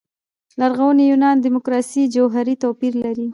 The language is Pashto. لرغوني یونان دیموکراسي جوهري توپير لري.